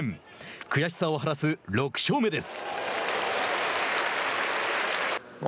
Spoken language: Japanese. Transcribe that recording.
悔しさを晴らす６勝目です。